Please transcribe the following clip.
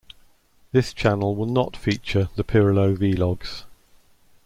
This channel will not feature the Pirillo vlogs.